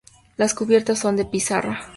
Las cubiertas son de pizarra.